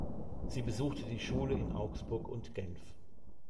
Sie besuchte die Schule in Augsburg und Genf.